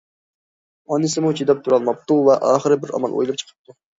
ئانىسىمۇ چىداپ تۇرالماپتۇ ۋە ئاخىر بىر ئامال ئويلاپ چىقىپتۇ.